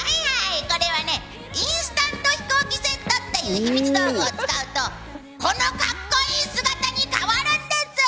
これはインスタントひこうきセットっていうひみつ道具を使うとこの格好いい姿に変わるんです！